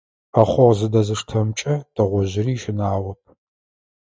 Ӏэхъогъу зэдэзыштэмкӏэ тыгъужъыри щынагъоп.